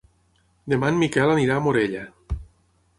Demà en Miquel anirà a Morella.